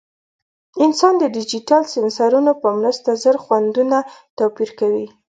انسان د ډیجیټل سینسرونو په مرسته زر خوندونه توپیر کوي.